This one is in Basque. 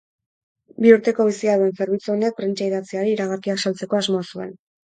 Bi urteko bizia duen zerbitzu honek, prentsa idatziari iragarkiak saltzeko asmoa zuen.